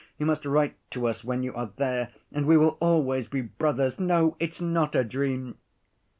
You must write to us when you are there, and we will always be brothers.... No, it's not a dream!"